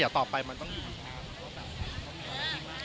อย่าต่อไปมันต้องมีปัญหาหรือเปล่า